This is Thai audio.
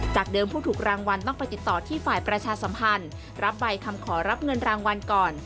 เดิมผู้ถูกรางวัลต้องไปติดต่อที่ฝ่ายประชาสัมพันธ์รับใบคำขอรับเงินรางวัลก่อน